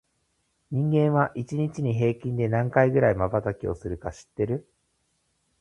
人間は、一日に平均で何回くらいまばたきをするか知ってる？